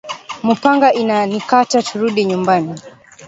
Mupanga ina ni kata turudi nyumbani